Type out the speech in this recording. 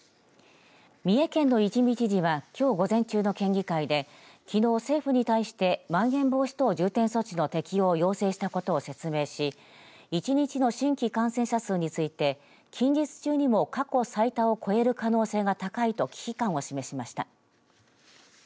三重県の一見知事はきょう午前中の県議会できのう政府に対してまん延防止等重点措置の適用を要請したことを説明し１日の新規感染者数について近日中にも過去最多を超える可能性が高いと危機感を示しました。